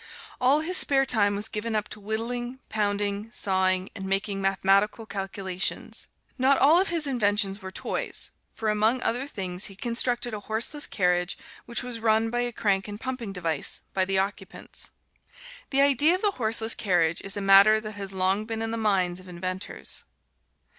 All his spare time was given up to whittling, pounding, sawing, and making mathematical calculations. Not all of his inventions were toys, for among other things he constructed a horseless carriage which was run by a crank and pumping device, by the occupants. The idea of the horseless carriage is a matter that has long been in the minds of inventors.